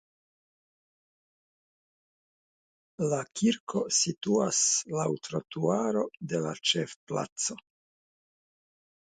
La kirko situas laŭ trotuaro de la ĉefplaco.